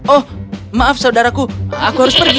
oh maaf saudaraku aku harus pergi